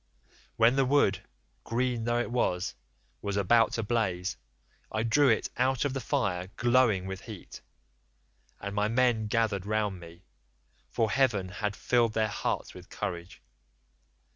When the wood, green though it was, was about to blaze, I drew it out of the fire glowing with heat, and my men gathered round me, for heaven had filled their hearts with courage.